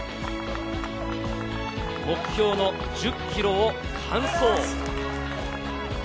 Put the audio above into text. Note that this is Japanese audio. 目標の１０キロを完走。